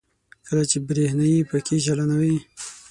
کله چې برېښنايي پکې چالانوي.